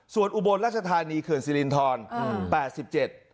ส่วนอุบลราชธานีเขื่อนสิรินทร๘๗เปอร์เซ็นต์